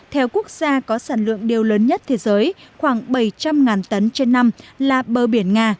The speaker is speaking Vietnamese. theo quốc gia có sản lượng điều lớn nhất thế giới khoảng bảy trăm linh tấn trên năm là bờ biển nga